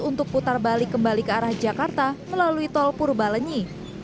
untuk putar balik kembali ke arah jakarta melalui tol purbalenyi